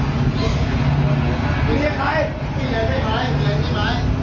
สิเฮียดพี่ไหม